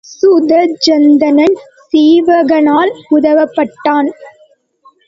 சுதஞ்சணன் சீவகனால் உதவப்பட்டவன்.